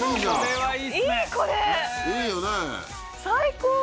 最高！